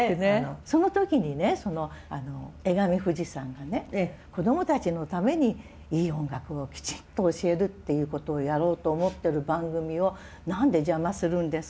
その時にねその江上フジさんがね「こどもたちのためにいい音楽をきちっと教えるっていうことをやろうと思ってる番組を何で邪魔するんですか？」